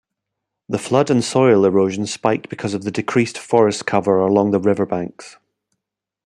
The floods and soil erosion spiked because of the decreased forest cover along riverbanks.